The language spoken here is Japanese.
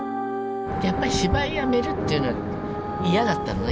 やっぱり芝居やめるっていうのは嫌だったのね。